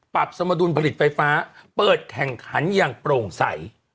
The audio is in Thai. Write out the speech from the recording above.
ปรับสมบันดุลผลิตไฟฟ้าเปิดแข่งคันยังโปร่งสัย